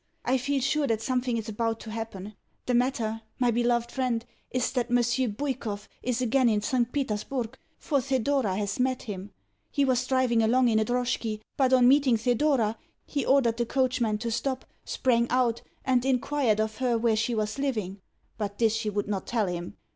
I feel sure that something is about to happen. The matter, my beloved friend, is that Monsieur Bwikov is again in St. Petersburg, for Thedora has met him. He was driving along in a drozhki, but, on meeting Thedora, he ordered the coachman to stop, sprang out, and inquired of her where she was living; but this she would not tell him.